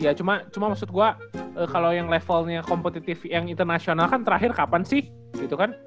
ya cuma maksud gue kalau yang levelnya kompetitif yang internasional kan terakhir kapan sih gitu kan